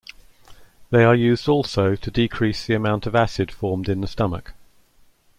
They are used also to decrease the amount of acid formed in the stomach.